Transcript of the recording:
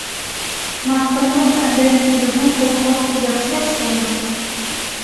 Масканурым ынде «Чевернур» колхоз йӧршеш сеҥыш.